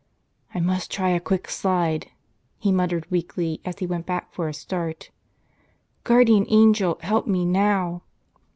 "1 must try a quick slide," he muttered weakly as he went back for a start.. "Guardian Angel, help me now!."